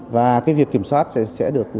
và cái việc kiểm soát sẽ được